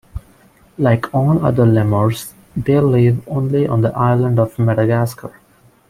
Like all other lemurs, they live only on the island of Madagascar.